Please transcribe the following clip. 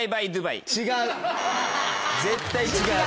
絶対違う。